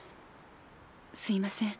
すいません。